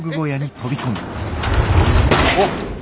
おっ。